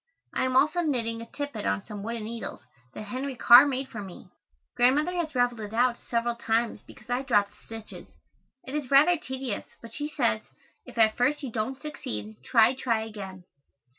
I am also knitting a tippet on some wooden needles that Henry Carr made for me. Grandmother has raveled it out several times because I dropped stitches. It is rather tedious, but she says, "If at first you don't succeed, try, try again."